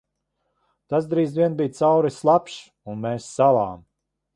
Tas drīz vien bija cauri slapjš un mēs salām.